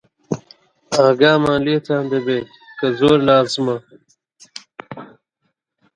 ئاگامان لێتان دەبێ، کە زۆر لازمە